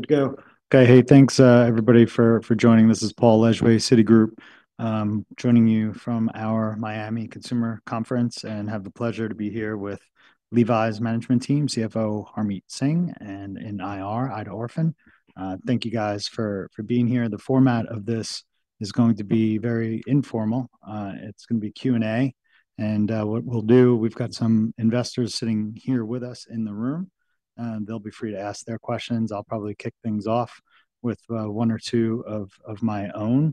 Good to go. Okay, hey, thanks, everybody, for joining. This is Paul Lejuez, Citigroup, joining you from our Miami Consumer Conference, and I have the pleasure to be here with Levi's Management Team, CFO Harmit Singh, and in IR, Aida Orphan. Thank you, guys, for being here. The format of this is going to be very informal. It's going to be Q&A, and what we'll do, we've got some investors sitting here with us in the room. They'll be free to ask their questions. I'll probably kick things off with one or two of my own.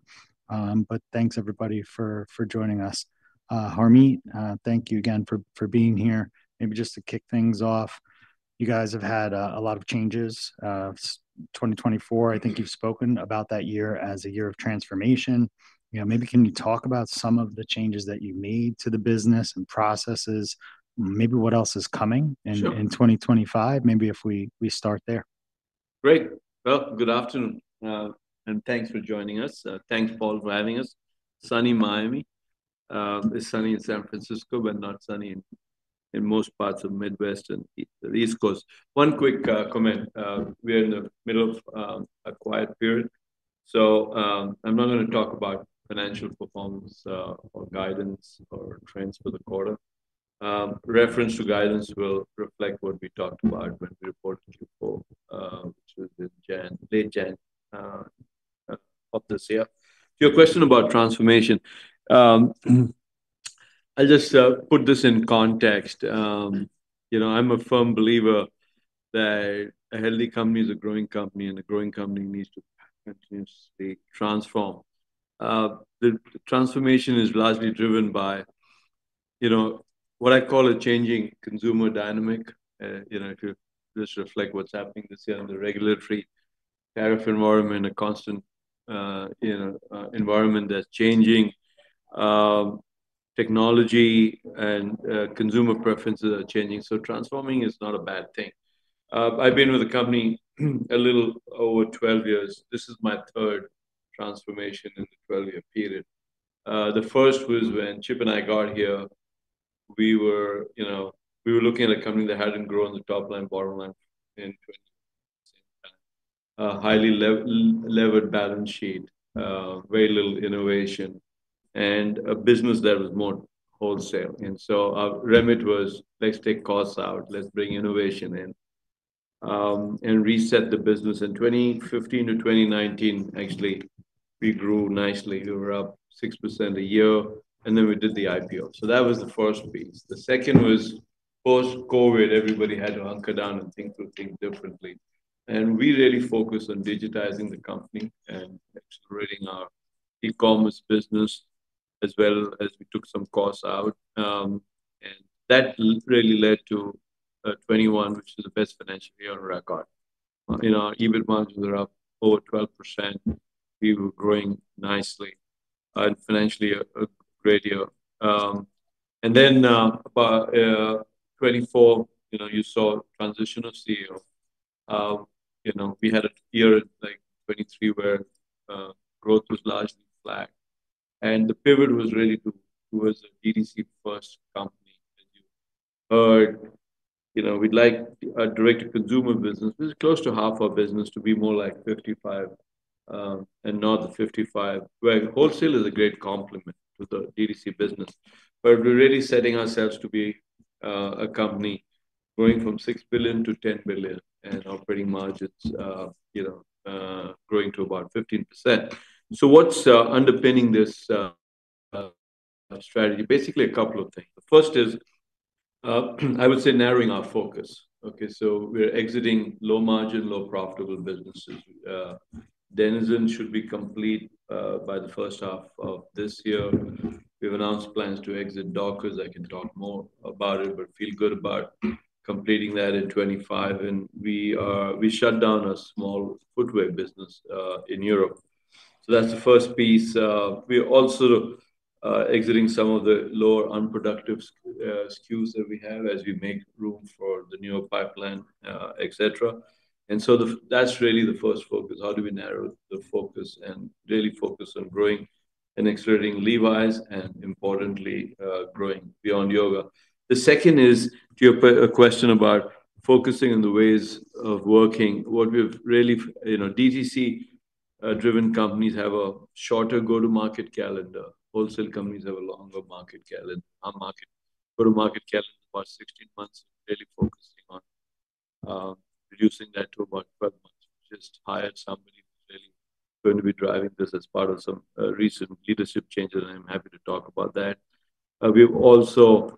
Thanks, everybody, for joining us. Harmit, thank you again for being here. Maybe just to kick things off, you guys have had a lot of changes. 2024, I think you've spoken about that year as a year of transformation. Maybe can you talk about some of the changes that you've made to the business and processes? Maybe what else is coming in 2025? Maybe if we start there. Great. Good afternoon, and thanks for joining us. Thanks, Paul, for having us. Sunny Miami. It's sunny in San Francisco, but not sunny in most parts of the Midwest and East Coast. One quick comment. We're in the middle of a quiet period. I'm not going to talk about financial performance or guidance or trends for the quarter. Reference to guidance will reflect what we talked about when we reported to you in late January of this year. To your question about transformation, I'll just put this in context. I'm a firm believer that a healthy company is a growing company, and a growing company needs to continuously transform. The transformation is largely driven by what I call a changing consumer dynamic. If you just reflect what's happening this year in the regulatory tariff environment, a constant environment that's changing, technology, and consumer preferences are changing. Transforming is not a bad thing. I've been with the company a little over 12 years. This is my third transformation in the 12-year period. The first was when Chip and I got here, we were looking at a company that hadn't grown the top line, bottom line in highly levered balance sheet, very little innovation, and a business that was more wholesale. Our remit was, let's take costs out, let's bring innovation in, and reset the business. In 2015 to 2019, actually, we grew nicely. We were up 6% a year, and then we did the IPO. That was the first piece. The second was post-COVID, everybody had to hunker down and think through things differently. We really focused on digitizing the company and accelerating our e-commerce business as well as we took some costs out. That really led to 2021, which is the best financial year on record. EBIT margins are up over 12%. We were growing nicely, financially a great year. In 2024, you saw transition of CEO. We had a year in 2023 where growth was largely flat. The pivot was really to it was a DTC-first company. As you heard, we'd like a direct-to-consumer business. This is close to half our business to be more like 55% and not the 55%, where wholesale is a great complement to the DTC business. We are really setting ourselves to be a company growing from $6 billion to $10 billion and operating margins growing to about 15%. What is underpinning this strategy? Basically, a couple of things. The first is, I would say, narrowing our focus. Okay, we are exiting low-margin, low-profitable businesses. Denizen should be complete by the first half of this year. We have announced plans to exit Dockers. I can talk more about it, but feel good about completing that in 2025. We shut down a small footwear business in Europe. That is the first piece. We are also exiting some of the lower unproductive SKUs that we have as we make room for the newer pipeline, etc. That is really the first focus. How do we narrow the focus and really focus on growing and accelerating Levi's and, importantly, growing Beyond Yoga? The second is to your question about focusing on the ways of working. What we have really DTC-driven companies have a shorter go-to-market calendar. Wholesale companies have a longer market calendar. Our go-to-market calendar is about 16 months, really focusing on reducing that to about 12 months. We just hired somebody who's really going to be driving this as part of some recent leadership changes, and I'm happy to talk about that. We've also,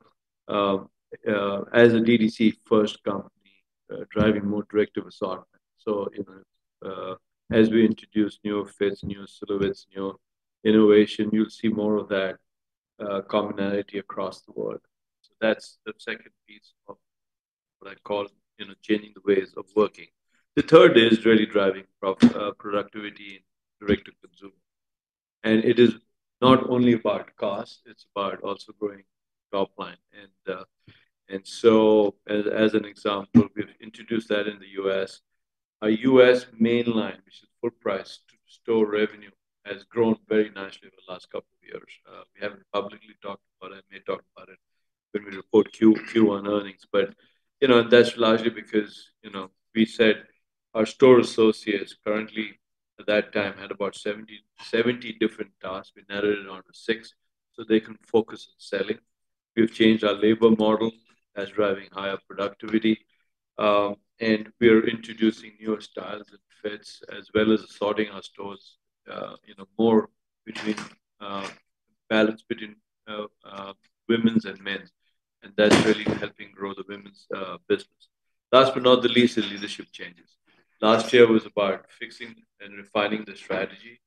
as a DTC-first company, driving more direct-to-assortment. As we introduce newer fits, newer silhouettes, newer innovation, you'll see more of that commonality across the world. That's the second piece of what I call changing the ways of working. The third is really driving productivity in direct-to-consumer. It is not only about costs. It's about also growing top line. As an example, we've introduced that in the US. Our US mainline, which is full-price to store revenue, has grown very nicely over the last couple of years. We haven't publicly talked about it. I may talk about it when we report Q1 earnings. That is largely because we said our store associates currently, at that time, had about 70 different tasks. We narrowed it down to six, so they can focus on selling. We have changed our labor model. That is driving higher productivity. We are introducing newer styles and fits, as well as assorting our stores more between balance between women's and men's. That is really helping grow the women's business. Last but not the least is leadership changes. Last year was about fixing and refining the strategy.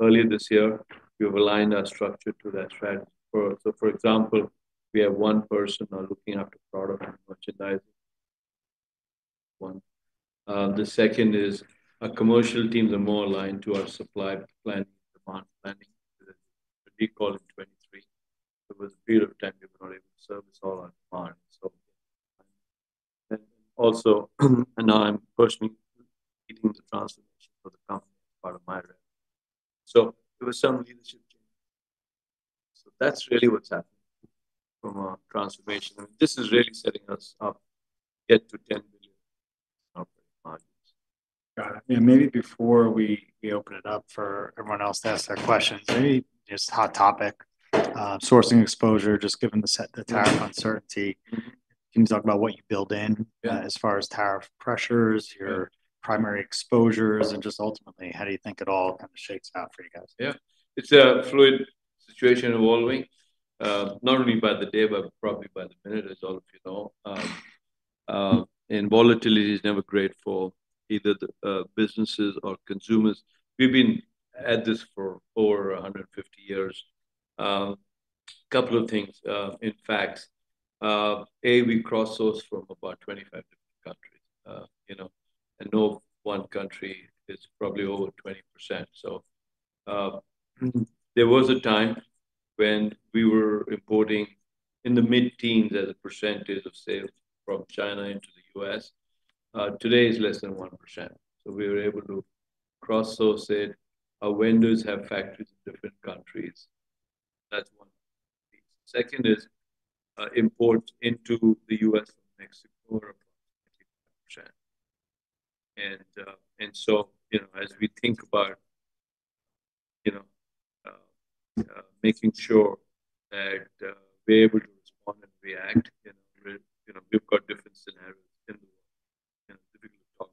Earlier this year, we have aligned our structure to that strategy. For example, we have one person looking after product and merchandising. The second is our commercial teams are more aligned to our supply planning, demand planning. We call it '23. There was a period of time we were not able to service all our demand. I am personally leading the transformation for the company as part of my revenue. There were some leadership changes. That is really what has happened from our transformation. This is really setting us up to get to $10 billion operating margins. Got it. Maybe before we open it up for everyone else to ask their questions, maybe just hot topic, sourcing exposure, just given the tariff uncertainty. Can you talk about what you build in as far as tariff pressures, your primary exposures, and just ultimately, how do you think it all kind of shakes out for you guys? Yeah. It's a fluid situation evolving, not only by the day, but probably by the minute, as all of you know. Volatility is never great for either the businesses or consumers. We've been at this for over 150 years. A couple of things. In fact, A, we cross-source from about 25 different countries. No one country is probably over 20%. There was a time when we were importing in the mid-teens as a percentage of sales from China into the US. Today is less than 1%. We were able to cross-source it. Our vendors have factories in different countries. That's one piece. The second is imports into the US from Mexico are approximately 5%. As we think about making sure that we're able to respond and react, we've got different scenarios in the world. It's difficult to talk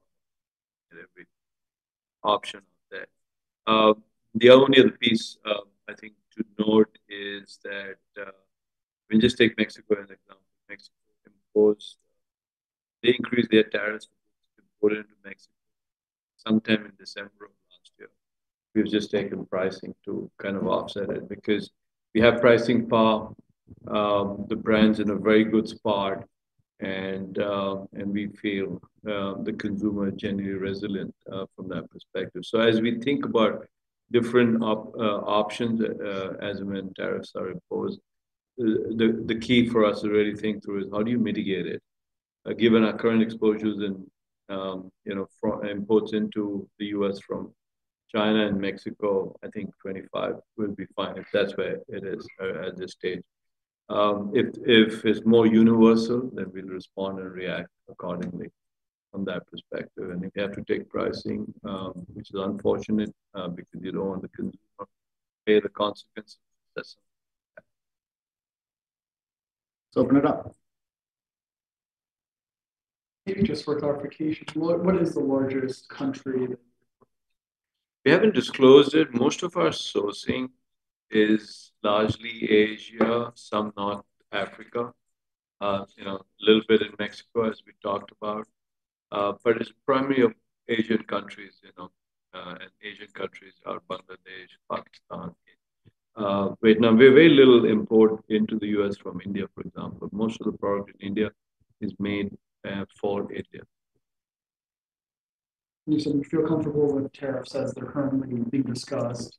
about every option out there. The only other piece I think to note is that we just take Mexico as an example. Mexico imposed, they increased their tariffs importing to Mexico sometime in December of last year. We've just taken pricing to kind of offset it because we have pricing for the brands in a very good spot, and we feel the consumer is generally resilient from that perspective. As we think about different options, as in when tariffs are imposed, the key for us to really think through is how do you mitigate it? Given our current exposures and imports into the US from China and Mexico, I think 2025 will be fine if that's where it is at this stage. If it's more universal, then we'll respond and react accordingly from that perspective. If you have to take pricing, which is unfortunate because you do not want the consumer to pay the consequences of that. Open it up. Just for clarification, what is the largest country? We haven't disclosed it. Most of our sourcing is largely Asia, some North Africa, a little bit in Mexico, as we talked about. It is primarily Asian countries. Asian countries are Bangladesh, Pakistan, Vietnam. We have very little import into the US from India, for example. Most of the product in India is made for India. You said you feel comfortable with tariffs as they're currently being discussed,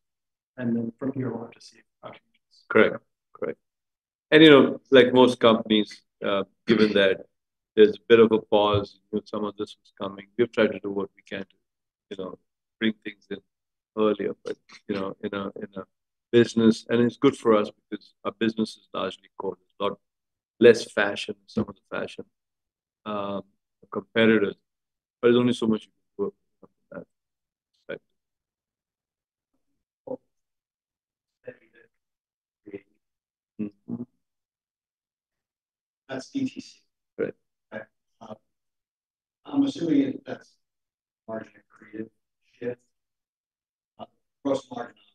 and then from here, we'll have to see how changes. Correct. Correct. Like most companies, given that there's a bit of a pause, some of this is coming, we've tried to do what we can to bring things in earlier in a business. It's good for us because our business is largely code. It's a lot less fashion than some of the fashion competitors. There's only so much you can do from that perspective. That's DTC. Correct. I'm assuming that's margin accretive shift. Gross margin, obviously, on a yearly basis.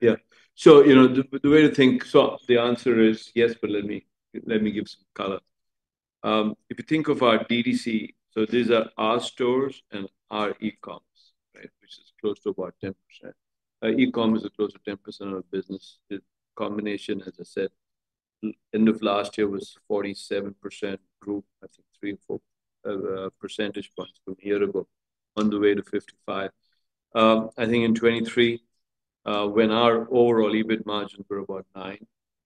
Yeah. The way to think, the answer is yes, but let me give some color. If you think of our DTC, these are our stores and our e-commerce, which is close to about 10%. E-commerce is close to 10% of our business. The combination, as I said, end of last year was 47%, grew, I think, three or four percentage points from a year ago on the way to 55%. I think in 2023, when our overall EBIT margins were about 9%,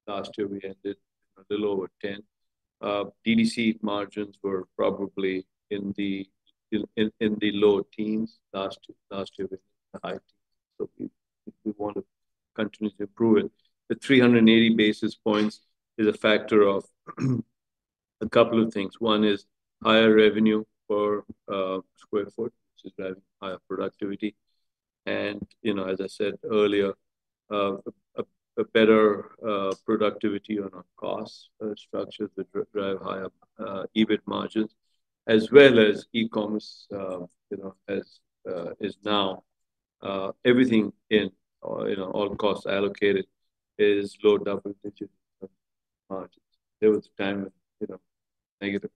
last year we ended a little over 10%. DTC margins were probably in the low teens. Last year, we hit the high teens. We want to continue to improve it. The 380 basis points is a factor of a couple of things. One is higher revenue per square foot, which is driving higher productivity. As I said earlier, a better productivity on our cost structures that drive higher EBIT margins, as well as e-commerce as is now. Everything in all costs allocated is low double-digit margins. There was a time of negative.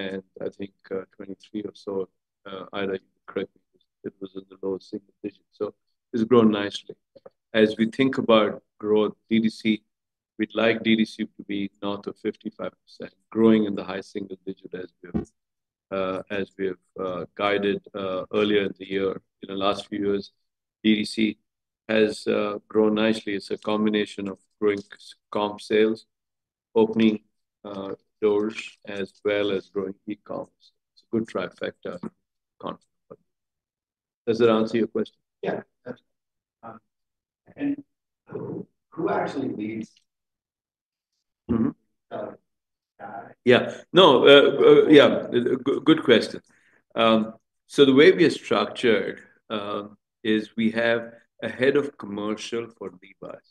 I think 2023 or so, I'd like you to correct me, it was in the low single digit. It has grown nicely. As we think about growth, DTC, we'd like DTC to be north of 55%, growing in the high single digit as we have guided earlier in the year. In the last few years, DTC has grown nicely. It's a combination of growing comp sales, opening doors, as well as growing e-commerce. It's a good trifecta. Does that answer your question? Yeah. Who actually leads? Yeah. No. Yeah. Good question. The way we are structured is we have a head of commercial for Levi's.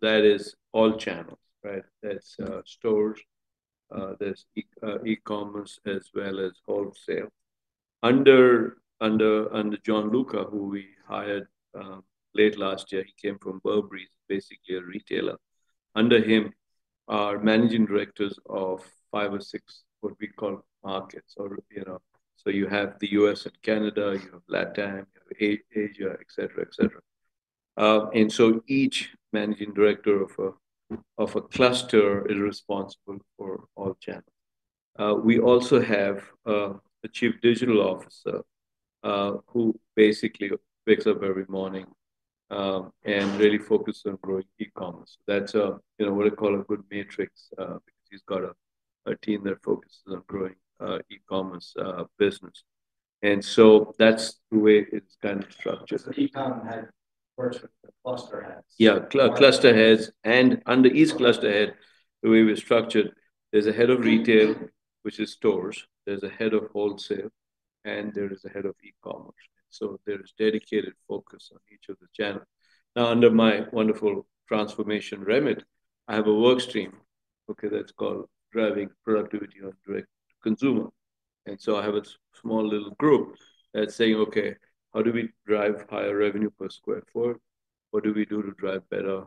That is all channels, right? That's stores. There's e-commerce as well as wholesale. Under Gianluca Flore, who we hired late last year, he came from Burberry, basically a retailer. Under him are managing directors of five or six what we call markets. You have the U..S and Canada. You have LatAm. You have Asia, etc., etc. Each managing director of a cluster is responsible for all channels. We also have a Chief Digital Officer who basically wakes up every morning and really focuses on growing e-commerce. That's what I call a good matrix because he's got a team that focuses on growing e-commerce business. That's the way it's kind of structured. E-com had cluster heads. Yeah, cluster heads. Under each cluster head, the way we structured, there's a head of retail, which is stores. There's a head of wholesale, and there is a head of e-commerce. There is dedicated focus on each of the channels. Now, under my wonderful transformation remit, I have a workstream, okay, that's called driving productivity on direct-to-consumer. I have a small little group that's saying, "Okay, how do we drive higher revenue per square foot? What do we do to drive better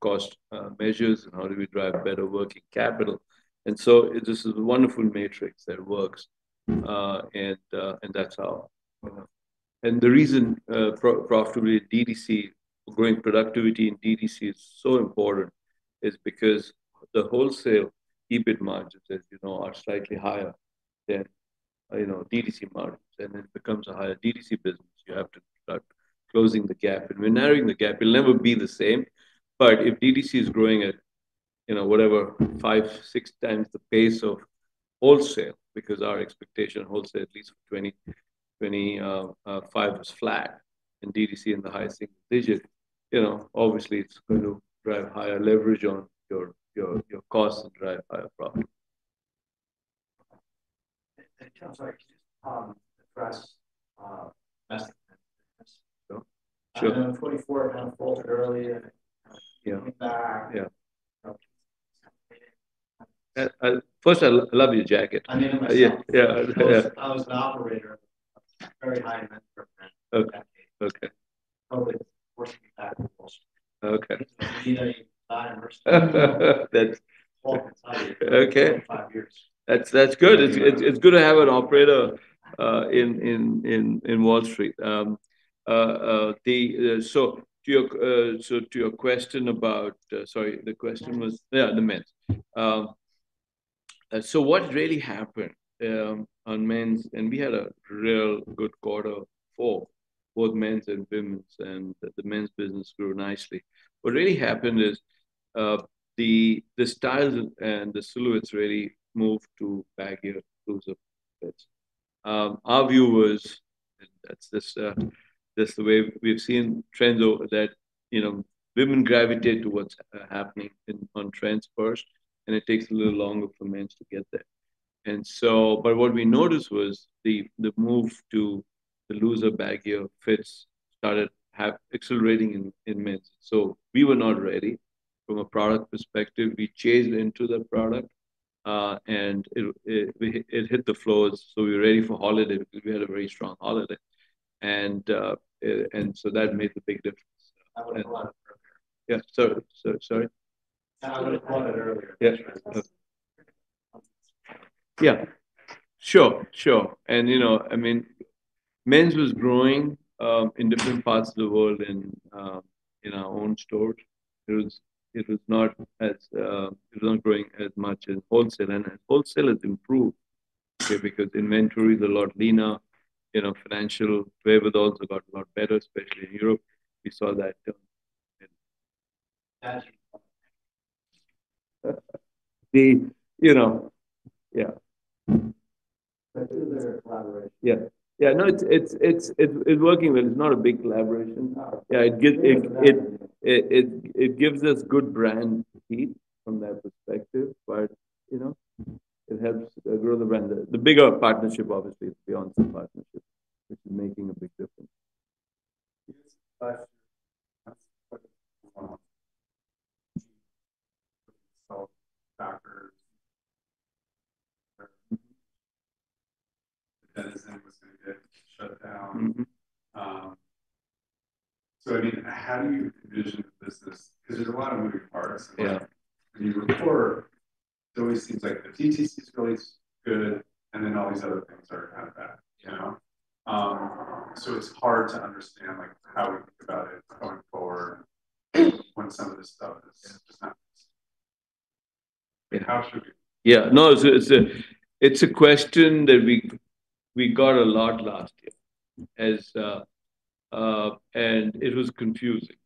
cost measures? How do we drive better working capital?" This is a wonderful matrix that works. The reason profitability in DTC, growing productivity in DTC is so important is because the wholesale EBIT margins, as you know, are slightly higher than DTC margins. It becomes a higher DTC business. You have to start closing the gap. We're narrowing the gap. It'll never be the same. If DTC is growing at, whatever, five, six times the pace of wholesale, because our expectation of wholesale at least for 2025 is flat, and DTC in the high single digit, obviously, it's going to drive higher leverage on your costs and drive higher profit. It sounds like just the press message. Sure. I know '24 kind of folded early and came back. Yeah. First, I love your jacket. I mean, I was an operator. Very high metric in that case. Okay. COVID forced me back to Wall Street. Okay. You've got to be flying versus flying home for five years. That's good. It's good to have an operator in Wall Street. To your question about, sorry, the question was, yeah, the men's. What really happened on men's? We had a real good quarter four, both men's and women's, and the men's business grew nicely. What really happened is the styles and the silhouettes really moved to baggier and looser fits. Our viewers, and that's the way we've seen trends over that women gravitate towards happening on trends first, and it takes a little longer for men to get there. What we noticed was the move to the looser, baggier fits started accelerating in men's. We were not ready from a product perspective. We chased into the product, and it hit the floors. We were ready for holiday because we had a very strong holiday. That made the big difference. That was a lot earlier. Yeah. Sorry? That was a lot earlier. Yeah. Sure. Sure. I mean, men's was growing in different parts of the world and in our own stores. It was not growing as much as wholesale. Wholesale has improved because inventory is a lot leaner. Financially, we also got a lot better, especially in Europe. We saw that. That's the. Yeah. Is there a collaboration? Yeah. Yeah. No, it's working well. It's not a big collaboration. Yeah. It gives us good brand heat from that perspective, but it helps grow the brand. The bigger partnership, obviously, is Beyond Yoga, which is making a big difference. Last year, so backers or. That is anyone's going to get shut down. I mean, how do you envision the business? Because there's a lot of moving parts. When you report, it always seems like the DTC is really good, and then all these other things are kind of bad. It's hard to understand how we think about it going forward when some of this stuff is just not. I mean, how should we? Yeah. No, it's a question that we got a lot last year. It was confusing.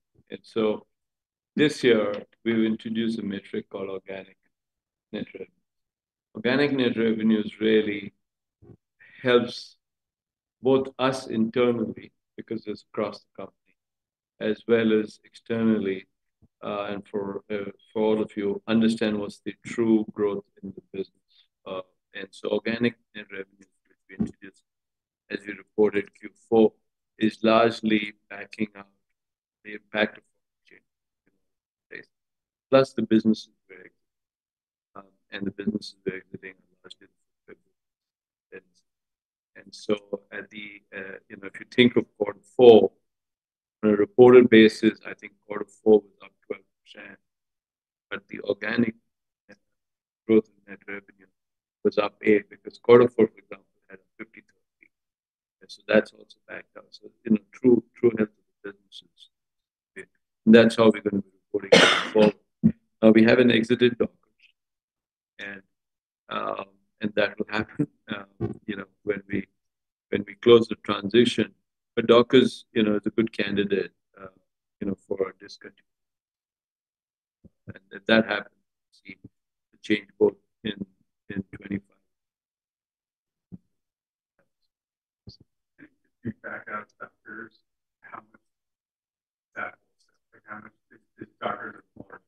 This year, we've introduced a metric called organic net revenues. Organic net revenues really helps both us internally because it's across the company, as well as externally, and for all of you to understand what's the true growth in the business. Organic net revenues, which we introduced as we reported Q4, is largely backing up the impact of change. Plus, the business is very good. The business is very good in a large deal of the business. If you think of quarter four, on a reported basis, I think quarter four was up 12%. The organic growth in net revenue was up 8 because quarter four, for example, had a 53rd week. That's also backed up. True health of the business is. That is how we are going to be reporting forward. Now, we have not exited Dockers. That will happen when we close the transition. Dockers is a good candidate for discontinuing. If that happens, we will see the change both in 2025. If you back out Dockers, how much is that? How much is Dockers more?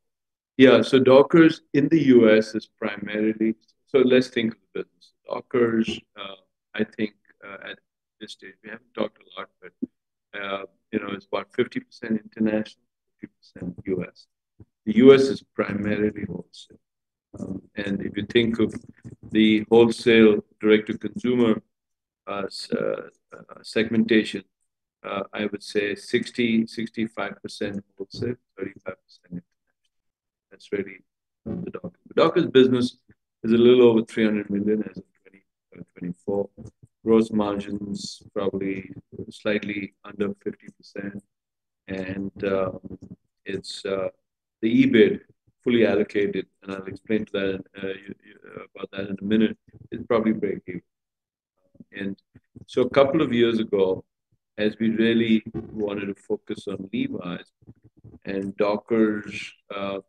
Yeah. Dockers in the U.S. is primarily. Let's think of the business. Dockers, I think at this stage, we haven't talked a lot, but it's about 50% international, 50% US. The US is primarily wholesale. If you think of the wholesale direct-to-consumer segmentation, I would say 60-65% wholesale, 35% international. That's really the Dockers. The Dockers business is a little over $300 million as of 2024. Gross margins probably slightly under 50%. The EBIT, fully allocated, and I'll explain about that in a minute, is probably breakeven. A couple of years ago, as we really wanted to focus on Levi's and Dockers,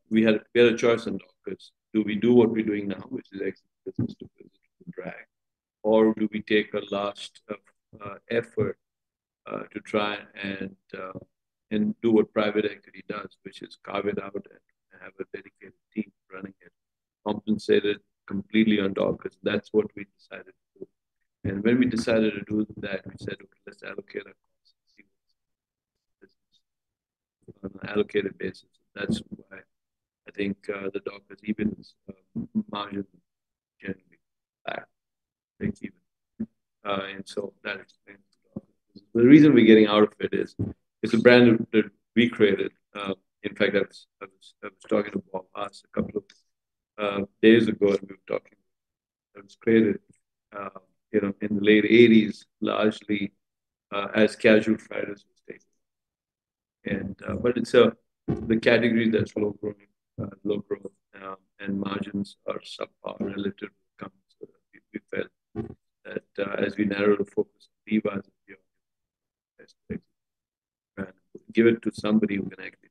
we had a choice on Dockers. Do we do what we're doing now, which is exit the business to fiscal drag, or do we take a last effort to try and do what private equity does, which is carve it out and have a dedicated team running it, compensated completely on Dockers? That's what we decided to do. When we decided to do that, we said, "Okay, let's allocate our costs and see what's the business." On an allocated basis. That's why I think the Dockers EBIT margin generally is back. Breakeven. That explains the Dockers. The reason we're getting out of it is it's a brand that we created. In fact, I was talking to Bob Haas a couple of days ago, and we were talking. It was created in the late 1980s, largely as Casual Fridays who stayed in. It is a category that is low growth, and margins are subpar relative to the companies. We felt that as we narrow the focus on Levi's and Beyond Yoga, give it to somebody who can actually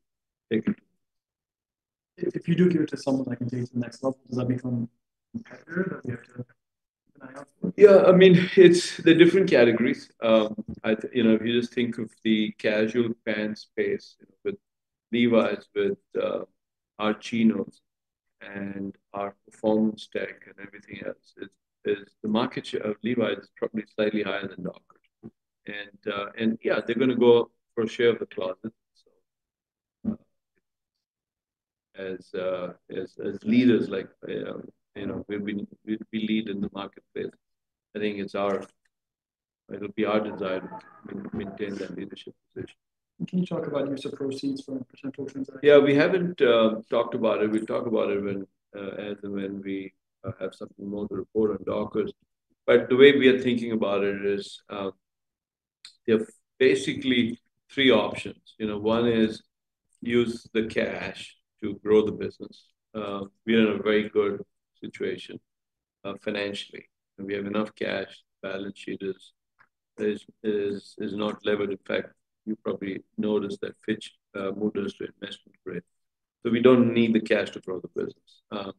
take it. If you do give it to someone, I can take it to the next level. Does that become competitive that we have to keep an eye out for it? Yeah. I mean, it's the different categories. If you just think of the casual pant space with Levi's, with chinos, and our performance tech and everything else, the market share of Levi's is probably slightly higher than Dockers. Yeah, they're going to go for a share of the closet. As leaders, we lead in the marketplace. I think it'll be our desire to maintain that leadership position. Can you talk about use of proceeds from potential transactions? Yeah. We haven't talked about it. We'll talk about it as and when we have something more to report on Dockers. The way we are thinking about it is there are basically three options. One is use the cash to grow the business. We are in a very good situation financially. We have enough cash. Balance sheet is not levered. You probably noticed that Fitch moved us to investment grade. We don't need the cash to grow the business.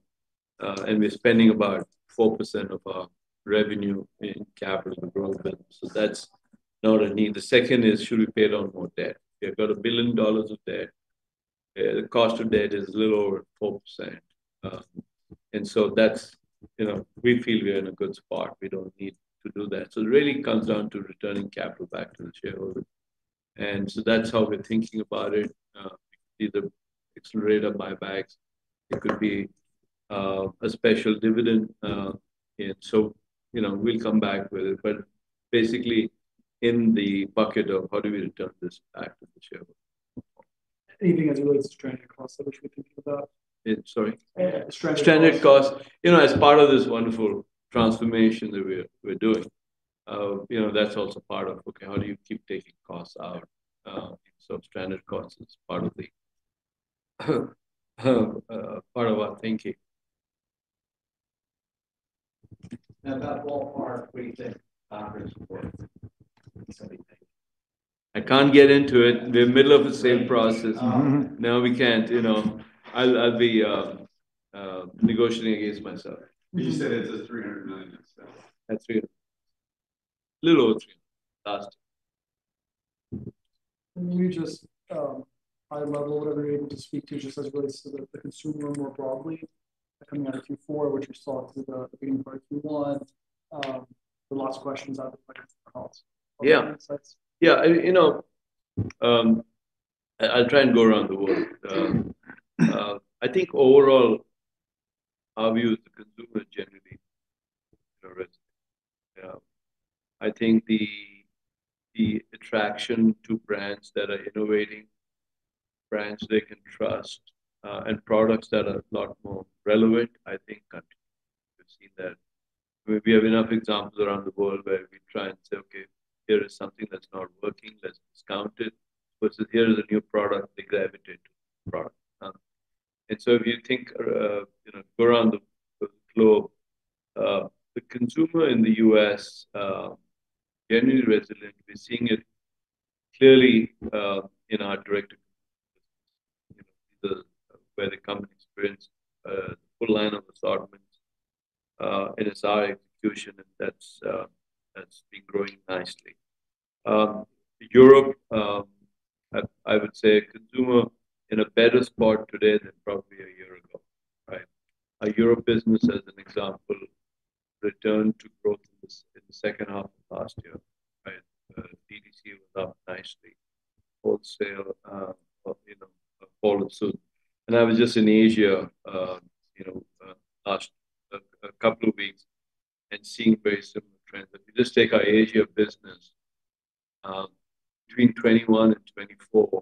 We're spending about 4% of our revenue in capital to grow the business. That's not a need. The second is, should we pay down more debt? We've got $1 billion of debt. The cost of debt is a little over 4%. We feel we're in a good spot. We don't need to do that. It really comes down to returning capital back to the shareholders. That is how we're thinking about it. It could either accelerate our buybacks. It could be a special dividend. We will come back with it. Basically, in the bucket of how do we return this back to the shareholders? Anything as it relates to stranded costs, which we're thinking about? Sorry? Yeah. Stranded costs. Stranded costs, as part of this wonderful transformation that we're doing, that's also part of, okay, how do you keep taking costs out? Stranded costs is part of our thinking. Now, about ballpark, what do you think Dockers is worth? I can't get into it. We're in the middle of the same process. No, we can't. I'll be negotiating against myself. You said it's a $300 million expense. A little over 300 last year. Let me just high-level whatever you're able to speak to just as it relates to the consumer more broadly. Coming out of Q4, which we saw through the beginning part of Q1. The last question is out of the question for calls. Yeah. Yeah. I'll try and go around the world. I think overall, our view of the consumer generally resonates. I think the attraction to brands that are innovating, brands they can trust, and products that are a lot more relevant, I think. Country. We've seen that. We have enough examples around the world where we try and say, "Okay, here is something that's not working. Let's discount it." Versus, "Here is a new product." They gravitate to the product. If you think around the globe, the consumer in the U.S. is generally resilient. We're seeing it clearly in our direct-to-consumer business. These are where the company experienced the full line of assortments and is our execution, and that's been growing nicely. Europe, I would say, consumer in a better spot today than probably a year ago, right? Our Europe business, as an example, returned to growth in the second half of last year, right? DTC was up nicely. Wholesale followed suit. I was just in Asia last couple of weeks and seeing very similar trends. If you just take our Asia business, between 2021 and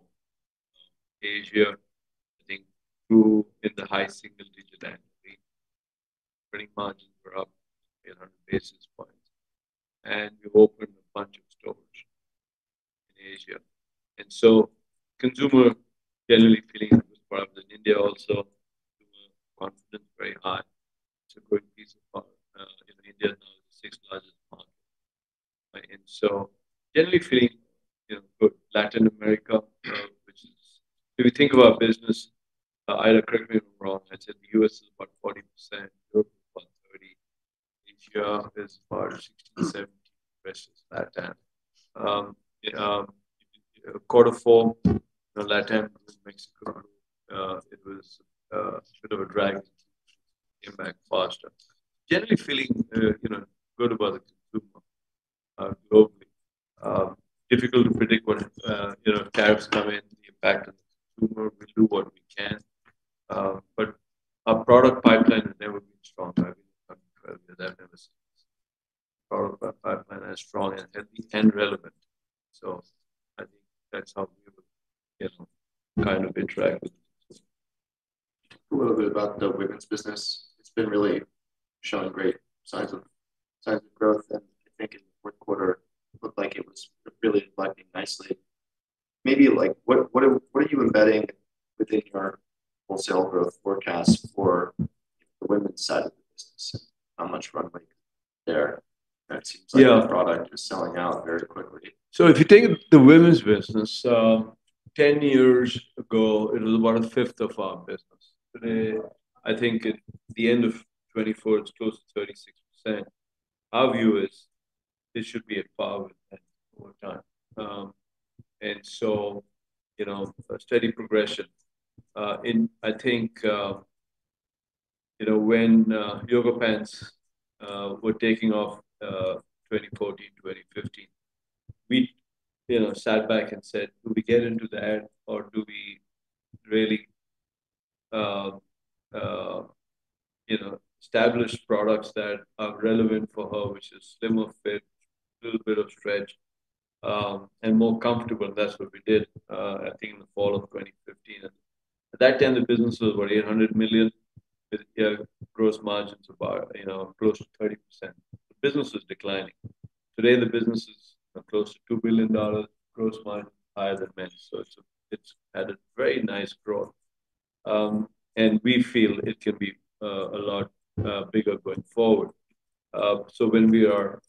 2024, Asia, I think, grew in the high single-digit annually. Margins were up 800 basis points. We opened a bunch of stores in Asia. Consumer generally feeling it was probably in India also. Consumer confidence very high. A great piece of our India now is the sixth largest market. Generally feeling good. Latin America, which is. If you think of our business, Ida correct me if I'm wrong. I'd say the US is about 40%. Europe is about 30%. Asia is about 60-70%. Quarter four, Latin America, Mexico, it was a bit of a drag. It came back faster. Generally feeling good about the consumer globally. Difficult to predict when tariffs come in, the impact on the consumer. We do what we can. Our product pipeline has never been strong. I've been talking to earlier. They've never seen us. Our product pipeline is strong and healthy and relevant. I think that's how we would kind of interact with the consumer. A little bit about the women's business. It's been really showing great signs of growth. I think in the fourth quarter, it looked like it was really flagging nicely. Maybe what are you embedding within your wholesale growth forecast for the women's side of the business? How much runway there? That seems like the product is selling out very quickly. If you take the women's business, 10 years ago, it was about a fifth of our business. Today, I think at the end of 2024, it's close to 36%. Our view is it should be a power and over time. A steady progression. I think when yoga pants were taking off in 2014, 2015, we sat back and said, "Do we get into that, or do we really establish products that are relevant for her, which is slimmer fit, a little bit of stretch, and more comfortable?" That's what we did, I think, in the fall of 2015. At that time, the business was about $800 million. We had gross margins of close to 30%. The business is declining. Today, the business is close to $2 billion. Gross margin higher than many. It's had a very nice growth. We feel it can be a lot bigger going forward. When we are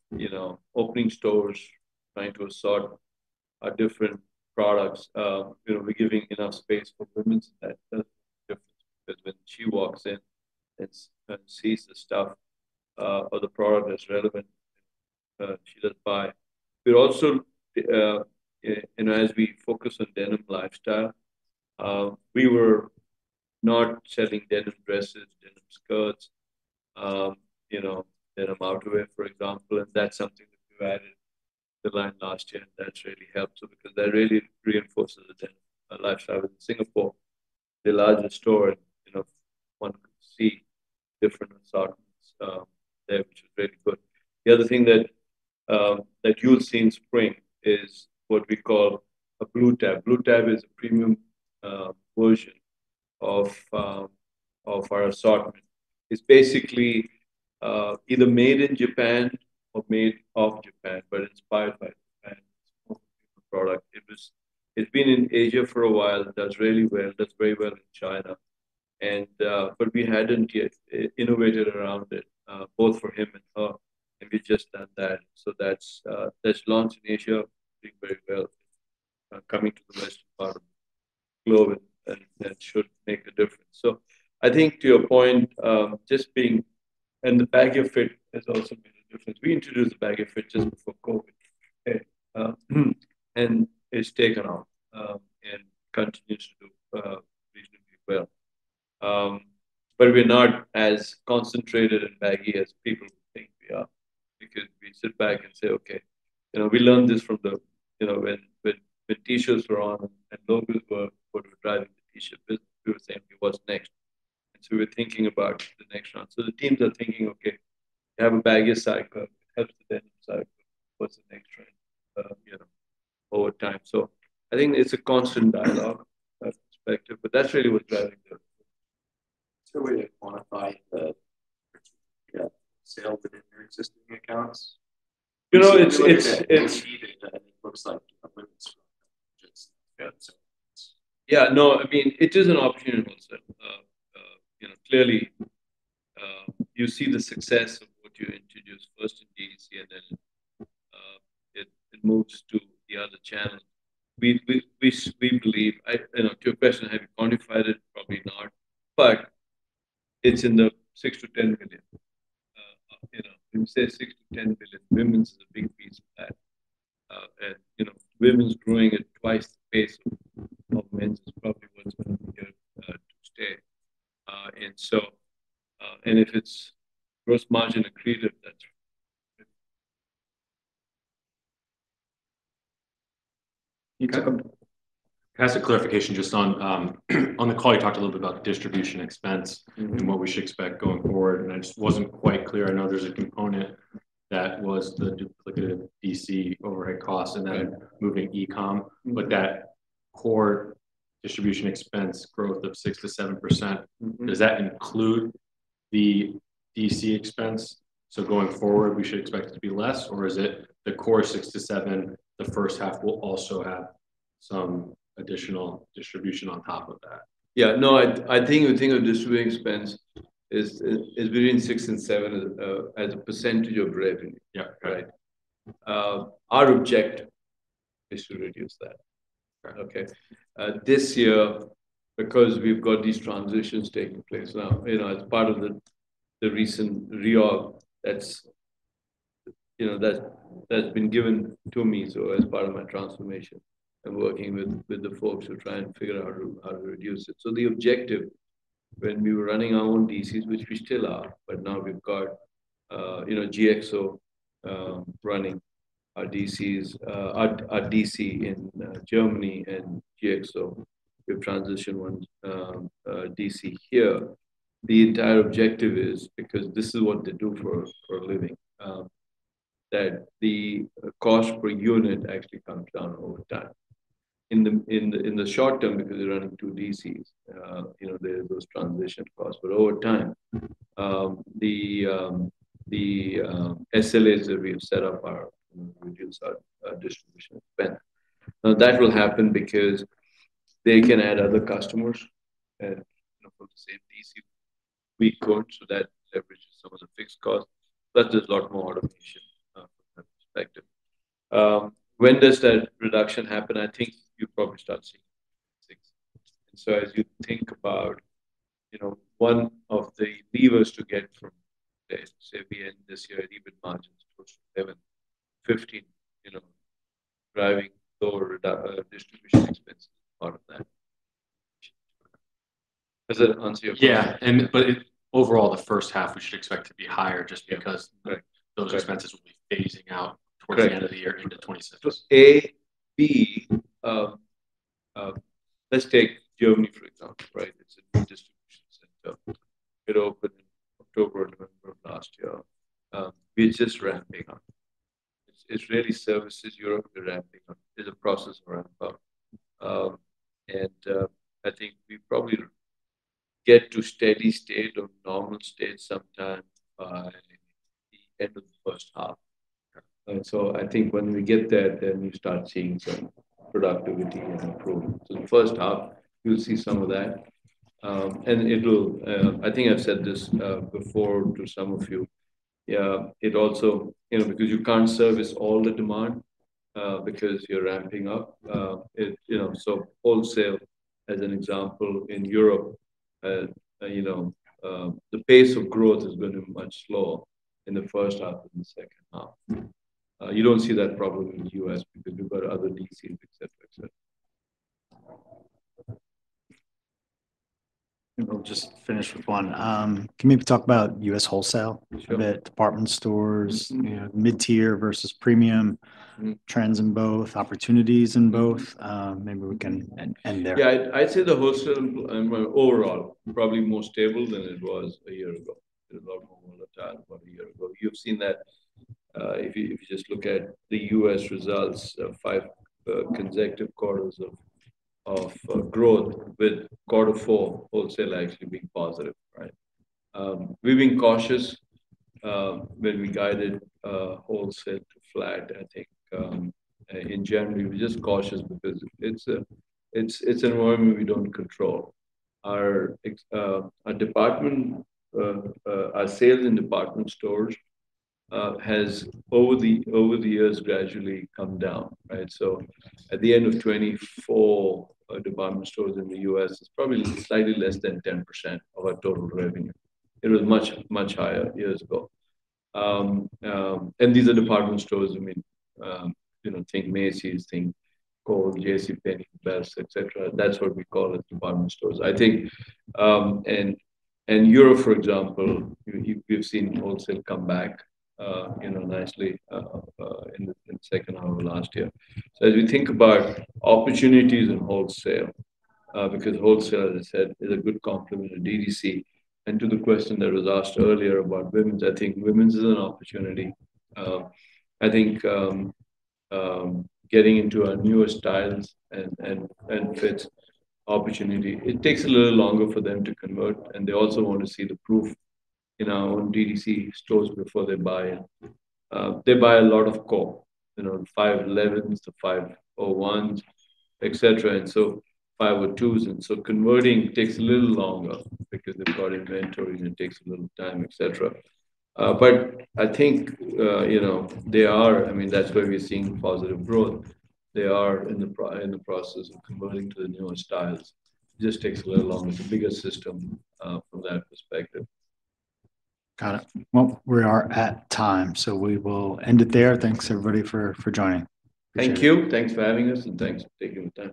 opening stores, trying to assort our different products, we're giving enough space for women so that it doesn't make a difference. Because when she walks in and sees the stuff or the product that's relevant, she doesn't buy. We're also, as we focus on denim lifestyle, we were not selling denim dresses, denim skirts, denim outerwear, for example. That's something that we've added to the line last year. That really helped because that really reinforces the denim lifestyle in Singapore. The largest store, one could see different assortments there, which is really good. The other thing that you'll see in spring is what we call a Blue Tab. Blue Tab is a premium version of our assortment. It's basically either made in Japan or made of Japan, but inspired by Japan. It's a product. It's been in Asia for a while. It does really well. It does very well in China. We hadn't yet innovated around it, both for him and her. We've just done that. That's launched in Asia. It's doing very well. Coming to the rest of our globe, that should make a difference. I think to your point, just being in the baggy fit has also made a difference. We introduced the baggy fit just before COVID, and it's taken off and continues to do reasonably well. We're not as concentrated in baggy as people think we are because we sit back and say, "Okay. We learned this from when t-shirts were on and logos were driving the t-shirt business. We were saying, 'What's next?'" The teams are thinking, "Okay. We have a baggy cycle. It helps the denim cycle. What's the next trend over time? I think it's a constant dialogue perspective. That's really what's driving the. Would you quantify the sales within your existing accounts? It's. It's repeated, and it looks like women's growth. Yeah. No. I mean, it is an opportunity also. Clearly, you see the success of what you introduce first in DTC, and then it moves to the other channels. We believe, to your question, have you quantified it? Probably not. But it's in the $6 million-$10 million. When we say $6 million-$10 million, women's is a big piece of that. And women's growing at twice the pace of men's is probably what's going to be here to stay. If it's gross margin accretive, that's. Can I have some clarification? Just on the call, you talked a little bit about distribution expense and what we should expect going forward. I just was not quite clear. I know there is a component that was the duplicative DC overhead costs and then moving e-com. That core distribution expense growth of 6-7%, does that include the DC expense? Going forward, should we expect it to be less? Is the core 6-7, the first half will also have some additional distribution on top of that? Yeah. No. I think the distribution expense is between 6% and 7% as a percentage of revenue, right? Our objective is to reduce that. This year, because we've got these transitions taking place now, as part of the recent reorg that's been given to me as part of my transformation and working with the folks who try and figure out how to reduce it. The objective, when we were running our own DCs, which we still are, but now we've got GXO running our DCs in Germany and GXO, we've transitioned one DC here. The entire objective is, because this is what they do for a living, that the cost per unit actually comes down over time. In the short term, because we're running two DCs, there's those transition costs. Over time, the SLAs that we've set up are to reduce our distribution expense. Now, that will happen because they can add other customers from the same DC we could. That leverages some of the fixed costs. There is a lot more automation from that perspective. When does that reduction happen? I think you probably start seeing six. As you think about one of the levers to get from, say, at the end of this year, even margins towards 11-15%, driving lower distribution expenses is part of that. Does that answer your question? Yeah. Overall, the first half, we should expect to be higher just because those expenses will be phasing out towards the end of the year into 2026. Let's take Germany, for example, right? It's a new distribution center. It opened in October or November of last year. We're just ramping up. It really services Europe. We're ramping up. It's a process. We're ramping up. I think we probably get to steady state or normal state sometime by the end of the first half. I think when we get there, then we start seeing some productivity and improvement. The first half, you'll see some of that. I think I've said this before to some of you. It also, because you can't service all the demand because you're ramping up. Wholesale, as an example, in Europe, the pace of growth is going to be much slower in the first half than the second half. You don't see that probably in the US because we've got other DCs, etc., etc. I'll just finish with one. Can we talk about US wholesale? Department stores, mid-tier versus premium, trends in both, opportunities in both? Maybe we can end there. Yeah. I'd say the wholesale overall, probably more stable than it was a year ago. It was a lot more volatile about a year ago. You've seen that if you just look at the US results, five consecutive quarters of growth with quarter four wholesale actually being positive, right? We've been cautious when we guided wholesale to flat, I think. In January, we're just cautious because it's an environment we don't control. Our sales in department stores has over the years gradually come down, right? At the end of 2024, department stores in the US is probably slightly less than 10% of our total revenue. It was much, much higher years ago. These are department stores. I mean, think Macy's, think Kohl's, JCPenney, Belk, etc. That's what we call as department stores, I think. Europe, for example, we've seen wholesale come back nicely in the second half of last year. As we think about opportunities in wholesale, because wholesale, as I said, is a good complement of DTC. To the question that was asked earlier about women's, I think women's is an opportunity. I think getting into our newer styles and fits opportunity, it takes a little longer for them to convert. They also want to see the proof in our own DTC stores before they buy. They buy a lot of Kohl's, the 511s, the 501s, etc., and 502s. Converting takes a little longer because they've got inventory, and it takes a little time, etc. I think they are—I mean, that's where we're seeing positive growth. They are in the process of converting to the newer styles. It just takes a little longer. It's a bigger system from that perspective. Got it. We are at time. So we will end it there. Thanks, everybody, for joining. Thank you. Thanks for having us, and thanks for taking the time.